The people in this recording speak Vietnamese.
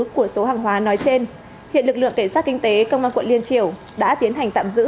của số hàng hóa nói trên hiện lực lượng cảnh sát kinh tế công an quận liên triều đã tiến hành tạm giữ